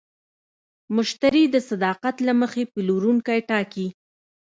مشتری د صداقت له مخې پلورونکی ټاکي.